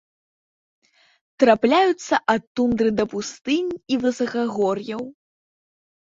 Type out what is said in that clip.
Трапляюцца ад тундры да пустынь і высакагор'яў.